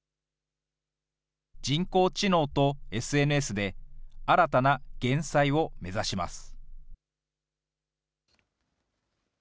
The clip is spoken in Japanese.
人工知能とＳＮＳで、新たな減災を目指します。